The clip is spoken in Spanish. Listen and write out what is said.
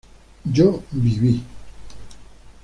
yo viví